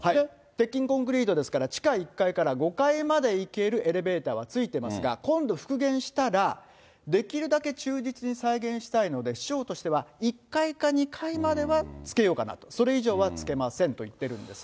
鉄筋コンクリートですから、地下１階から５階まで行けるエレベーターはついてますが、今度復元したら、できるだけ忠実に再現したいので、市長としては１階か２階まではつけようかなと、それ以上はつけませんと言ってるんです。